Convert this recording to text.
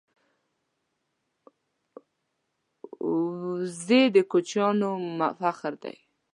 وزې د کوچیانو فخر دی